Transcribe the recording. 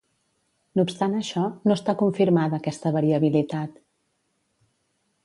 No obstant això, no està confirmada aquesta variabilitat.